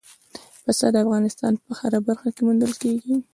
پسه د افغانستان په هره برخه کې موندل کېږي.